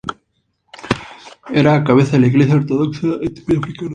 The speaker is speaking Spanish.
El mismo Haile Selassie era cabeza de la iglesia ortodoxa etíope africana.